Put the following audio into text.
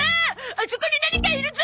あそこに何かいるゾ！